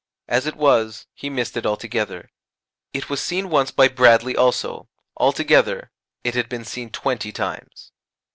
As it was, he missed it altogether. It was seen once by Bradley also. Altogether it had been seen twenty times.